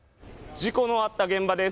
事故のあった現場です。